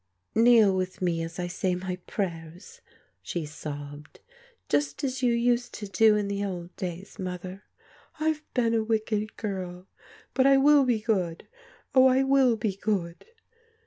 Kneel with me as I say my prayers," she sobbed. Just as you used to do in the old days. Mother. I've been a wicked girl, but I will be good. Oh, I will be good!"